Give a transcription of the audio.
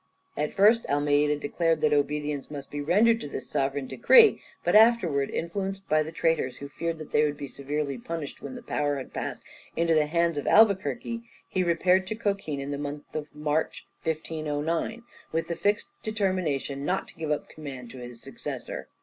At first Almeida declared that obedience must be rendered to this sovereign decree, but afterwards influenced by the traitors, who feared that they would be severely punished when the power had passed into the hands of Albuquerque, he repaired to Cochin in the month of March, 1509, with the fixed determination not to give up the command to his successor.